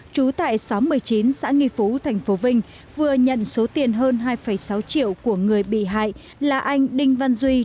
trú tại xóm một mươi chín xã nghi phú tp vinh vừa nhận số tiền hơn hai sáu triệu của người bị hại là anh đinh văn duy